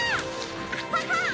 アハハっ！